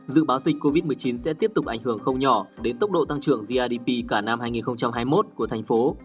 dự báo dịch covid một mươi chín sẽ tiếp tục ảnh hưởng không nhỏ đến tốc độ tăng trưởng grdp cả năm hai nghìn hai mươi một của thành phố